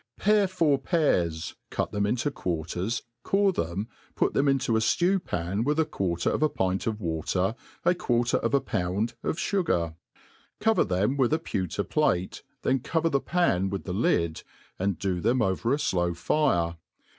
PARE four pears, cut them into quarters, core them, put them into a ftew pan, with a quarter of a pint of water, a iquarter of a pound of fugar ; coyer them with a pewter plate, then cover the pan with the lid, and do them over a flow fire.